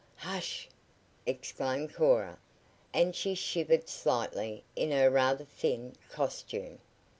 "Hush!" exclaimed Cora, and she shivered slightly in her rather thin costume.